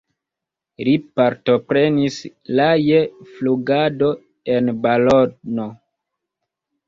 Li partoprenis la je flugado en balono.